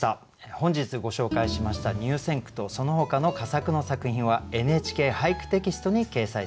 本日ご紹介しました入選句とそのほかの佳作の作品は「ＮＨＫ俳句」テキストに掲載されます。